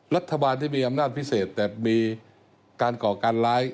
รัฐบาลที่มีอำนาจพิเศษแต่มีการก่อการร้าย